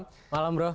selamat malam bro